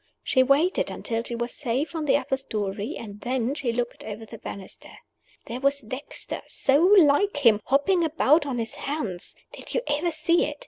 She waited until she was safe on the upper story, and then she looked over the banisters. There was Dexter so like him! hopping about on his hands (did you ever see it?